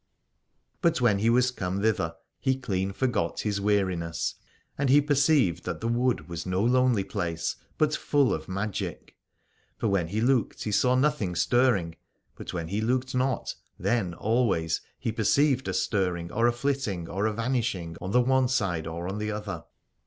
But when he was come thither he clean forgot his weariness : and he perceived that the wood was no lonely place but full of magic. For when he looked he saw nothing stirring : but when he looked not then always he perceived a stirring or a flitting or a vanish ing on the one side or on the other.